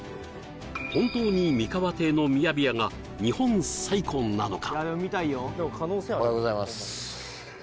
本当に三河亭のミヤビヤが日本最古なのか？